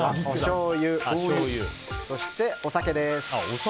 おしょうゆ、そしてお酒です。